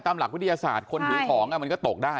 หลักวิทยาศาสตร์คนถือของมันก็ตกได้